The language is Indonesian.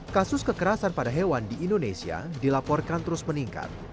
kasus kekerasan pada hewan di indonesia dilaporkan terus meningkat